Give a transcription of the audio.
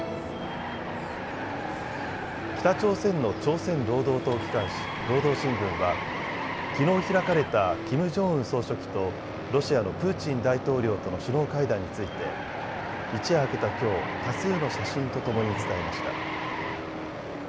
北朝鮮の朝鮮労働党機関紙、労働新聞はきのう開かれたキム・ジョンウン総書記とロシアのプーチン大統領との首脳会談について一夜明けたきょう、多数の写真とともに伝えました。